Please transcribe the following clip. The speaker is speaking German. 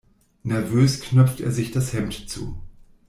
Nervös knöpft er sich das Hemd zu.